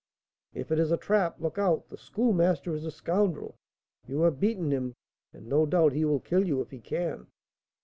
"If it is a trap, look out! The Schoolmaster is a scoundrel. You have beaten him, and, no doubt, he will kill you if he can."